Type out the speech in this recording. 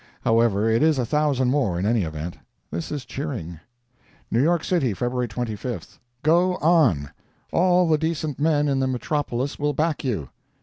However, it is a thousand more, in any event. This is cheering. New York City, Feb. 25. Go on! All the decent men in the metropolis will back you.